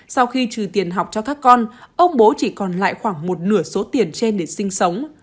sau khi trừ tiền học cho các con ông bố chỉ còn lại khoảng một nửa số tiền trên để sinh sống